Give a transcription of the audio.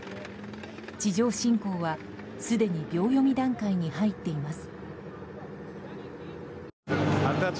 地上侵攻はすでに秒読み段階に入っています。